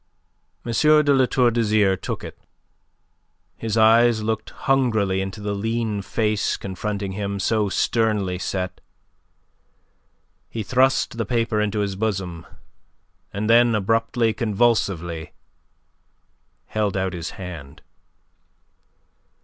M. de La Tour d'Azyr took it. His eyes looked hungrily into the lean face confronting him, so sternly set. He thrust the paper into his bosom, and then abruptly, convulsively, held out his hand.